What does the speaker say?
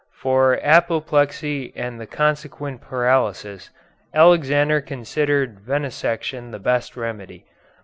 For apoplexy and the consequent paralysis, Alexander considered venesection the best remedy.